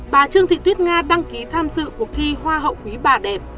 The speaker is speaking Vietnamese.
bà trương thị tuyết nga đăng ký tham dự cuộc thi hoa hậu quý bà đẹp